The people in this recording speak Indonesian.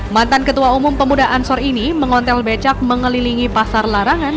mantan ketua umum pemuda ansor ini mengontel becak mengelilingi pasar larangan